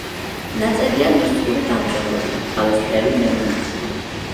ნაწერია ნუსხური დამწერლობით, ყავისფერი მელნით.